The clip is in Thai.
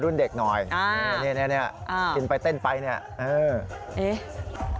รุ่นเด็กหน่อยอ่านี่นี่นี่อ่ากินไปเต้นไปเนี่ยเออเอ๊ะ